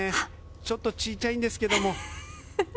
ちょっと小さいんですけれど。